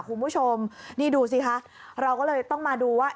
คุณผู้ชมนี่ดูสิคะเราก็เลยต้องมาดูว่า